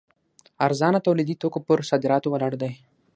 ارزانه تولیدي توکو پر صادراتو ولاړ دی.